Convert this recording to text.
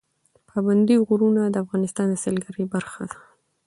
پابندی غرونه د افغانستان د سیلګرۍ برخه ده.